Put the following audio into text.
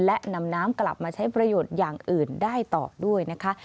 และนำน้ำกลับมาใช้ประโยชน์อย่างอื่นได้ต่อด้วยนะคะ